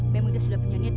memang dia sudah penyanyi